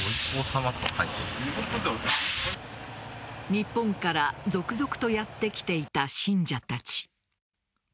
日本から続々とやって来ていた信者たち。